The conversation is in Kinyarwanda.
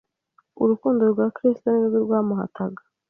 Urukundo rwa Kristo ni rwo rwamuhataga.